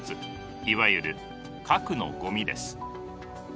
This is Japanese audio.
いわゆる核のゴミです。